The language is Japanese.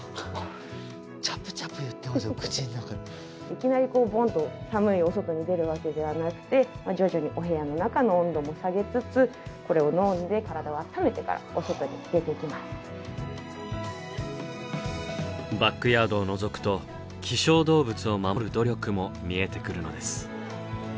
いきなりボンと寒いお外に出るわけではなくてまあ徐々にお部屋の中の温度も下げつつこれを飲んでバックヤードをのぞくと希少動物を守る努力も見えてくるのです。